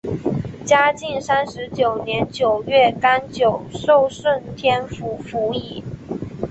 嘉靖三十九年九月廿九授顺天府府尹。